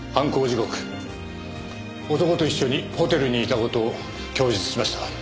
時刻男と一緒にホテルにいた事を供述しました。